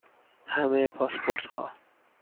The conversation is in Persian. همه پاسپورت ها